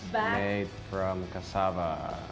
dibuat dari kasava